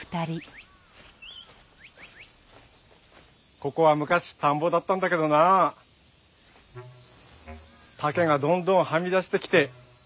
ここはむかし田んぼだったんだけどな竹がどんどんはみ出してきて。